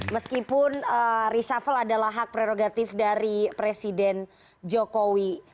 meskipun reshuffle adalah hak prerogatif dari presiden jokowi